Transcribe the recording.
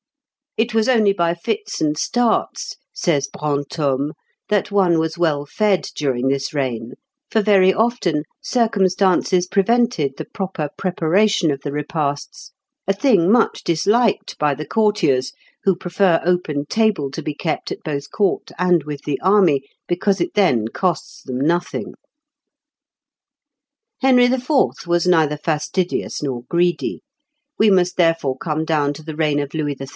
"It was only by fits and starts," says Brantôme, "that one was well fed during this reign, for very often circumstances prevented the proper preparation of the repasts; a thing much disliked by the courtiers, who prefer open table to be kept at both court and with the army, because it then costs them nothing." Henry IV. was neither fastidious nor greedy; we must therefore come down to the reign of Louis XIII.